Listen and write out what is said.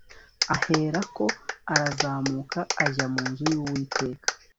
aherako arazamuka ajya mu nzu y Uwiteka